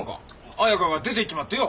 彩佳が出て行っちまってよ。